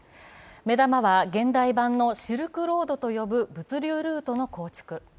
目玉は現代版のシルクロードと呼ぶ物流ルートの構築。